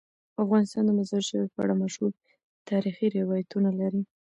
افغانستان د مزارشریف په اړه مشهور تاریخی روایتونه لري.